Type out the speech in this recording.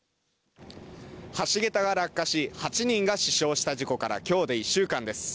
橋桁が落下し８人が死傷した事故からきょうで１週間です。